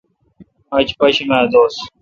آج پاشیمہ دوس۔